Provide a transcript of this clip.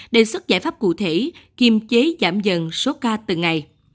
đề xuất giải pháp cụ thể kiềm chế giảm dần sốt ca từ ngày